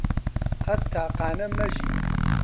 قەت تاقانە مەژی